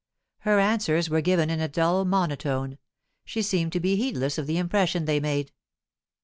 Her answers were given in a dull monotone; she seemed to be heedless of the impression they made.